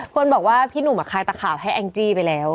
คนบอกว่าพี่หนุ่มคลายตะข่าวให้แองจี้ไปแล้ว